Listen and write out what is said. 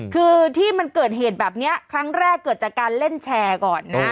คือที่มันเกิดเหตุแบบนี้ครั้งแรกเกิดจากการเล่นแชร์ก่อนนะ